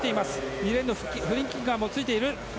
２レーンのフリッキンガーもついている。